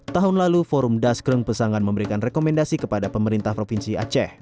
tahun lalu forum daskreng pesangan memberikan rekomendasi kepada pemerintah provinsi aceh